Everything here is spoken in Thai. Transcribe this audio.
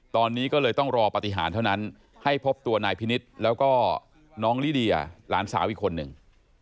ตอนนี้ก็เลยต้องรอปฏิหารเท่านั้นให้พบตัวนายพินิษฐ์แล้วก็น้องลิเดียหลานสาวอีกคนหนึ่ง